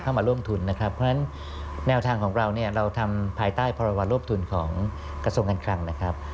มาร่วมทุนนะครับเพราะฉะนั้นแนวทางของเราเนี่ยเราทำภายใต้พรวรรบทุนของกระทรวงการคลังนะครับ